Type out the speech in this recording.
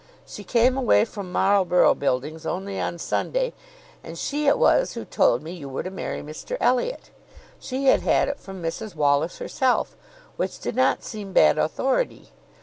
She came away from Marlborough Buildings only on Sunday; and she it was who told me you were to marry Mr Elliot. She had had it from Mrs Wallis herself, which did not seem bad authority.